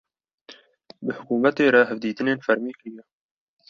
bi hukumetê re hevditînên fermî kiriye.